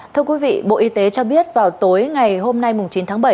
thưa quý vị bộ y tế cho biết vào tối ngày hôm nay chín tháng bảy